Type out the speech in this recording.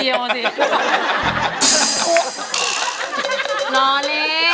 แล้วมันต่อ